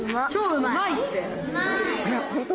あら本当？